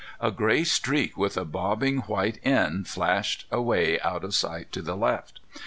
A gray streak with a bobbing white end flashed away out of sight to the left.